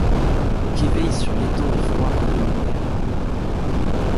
Qu’éveillent sur l’étang les froids rayons lunaires !